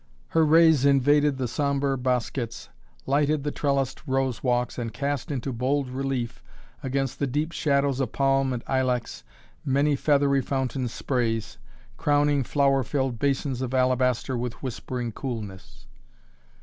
Her rays invaded the sombre bosquets, lighted the trellised rose walks and cast into bold relief against the deep shadows of palm and ilex many feathery fountain sprays, crowning flower filled basins of alabaster with whispering coolness.